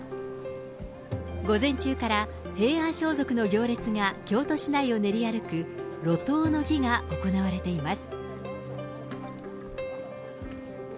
午前中から平安装束の行列が京都市内を練り歩く、路頭の儀が行われています。